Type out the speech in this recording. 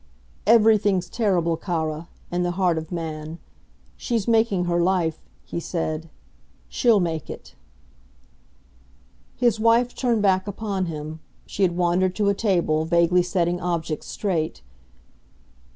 "Everything's terrible, cara, in the heart of man. She's making her life," he said. "She'll make it." His wife turned back upon him; she had wandered to a table, vaguely setting objects straight.